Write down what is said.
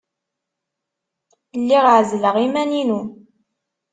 Lliɣ ɛezzleɣ iman-inu.